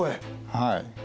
はい。